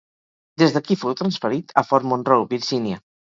Des d'aquí fou transferit a Fort Monroe, Virgínia.